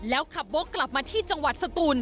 แล้วขับวกกลับมาที่จังหวัดสตูน